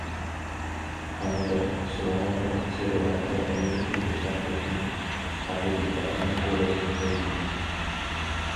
Аўтар, суаўтар ці рэдактар некалькіх дзясяткаў кніг, апублікаваных у розных краінах.